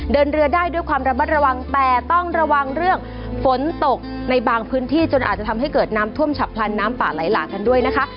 เดินเรือได้ด้วยความระมัดระวังแต่ต้องระวังเรื่องฝนตกในบางพื้นที่จนอาจจะทำให้เกิดน้ำท่วมฉับพลันน้ำป่าไหลหลากกันด้วยนะคะ